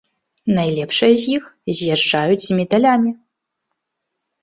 Найлепшыя з іх з'язджаюць з медалямі.